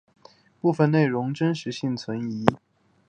部分内容真实性存疑。